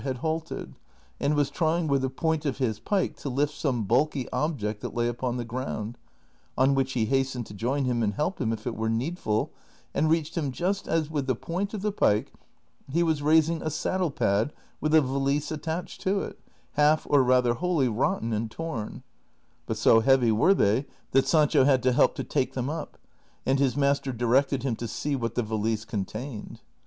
had halted, and was trying with the point of his pike to lift some bulky object that lay upon the ground, on which he hastened to join him and help him if it were needful, and reached him just as Avith the point of the pike he was raising a saddle pad with a valise attached to it, half or rather wholly rotten and torn ; but so heavy were they that Sancho had to help to take them up, and his master directed him to see what the valise contained.